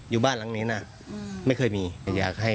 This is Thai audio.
อยู่บ้านหลังนี้ไม่เคยมี